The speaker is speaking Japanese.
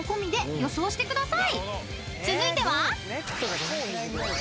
［続いては］